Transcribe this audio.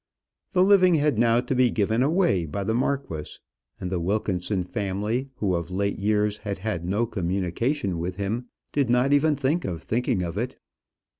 The living had now to be given away by the marquis, and the Wilkinson family, who of late years had had no communication with him, did not even think of thinking of it.